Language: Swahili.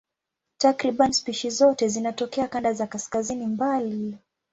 Takriban spishi zote zinatokea kanda za kaskazini mbali.